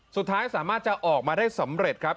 สุดท้ายสามารถจะออกมาได้สำเร็จครับ